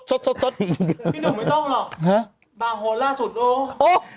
พี่หนุ่มไม่ต้องหรอกบาโฮลล่าสุดโอ๊ยโอ๊ยโอ๊ย